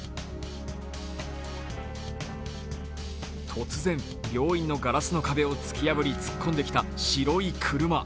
突然、病院のガラスの壁を突き破り突っ込んできた白い車。